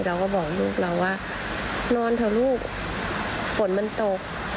เราก็บอกลูกเราว่านอนเถอะลูกฝนมันตก